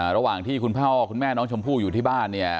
ระหว่างที่คุณพ่อคุณแม่น้องชมพู่อยู่ที่บ้านเนี่ย